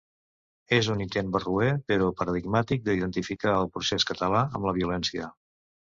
És un intent barroer però paradigmàtic d’identificar el procés català amb la violència.